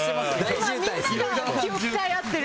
今、みんなが気を使い合ってる。